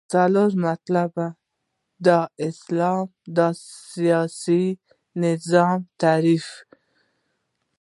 څلورم مطلب : د اسلام د سیاسی نظام تعریف